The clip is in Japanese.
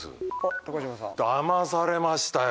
だまされましたよ